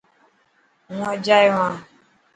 هو اڄ ايو هان.